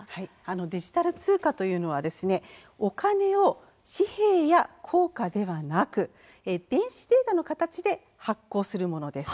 デジタル通貨というのはお金を紙幣や硬貨ではなく電子データの形で発行するものです。